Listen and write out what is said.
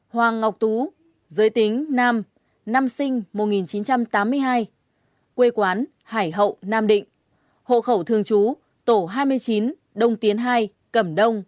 hoàng ngọc tú giới tính nam năm sinh năm một nghìn chín trăm tám mươi hai quê quán hải hậu nam định hộ khẩu thường trú tổ hai mươi chín đông tiến hai cẩm đông